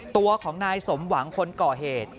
ตัวของนายสมหวังคนก่อเหตุ